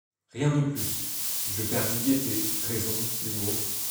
Rien de plus. Je perdis gaîté, raison, humour ;